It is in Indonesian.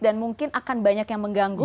dan mungkin akan banyak yang mengganggu